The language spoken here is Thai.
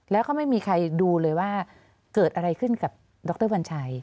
แล้วก็ไม่มีใครดูเลยว่าเกิดอะไรขึ้นกับดรวัญชัย